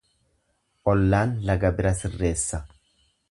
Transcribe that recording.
Ollaan laga bira sirreessa.